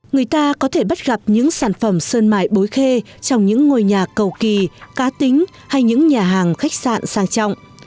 người ta có thể bắt gặp những sản phẩm sơn mài bối khê trong những ngôi nhà cầu kỳ cá tính hay những nhà hàng khách sạn sang trọng